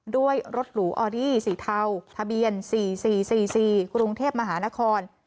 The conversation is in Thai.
ด้วยรถหรูออรี่สีเทาทะเบียน๔๔๔๔กรุงเทพมหานคร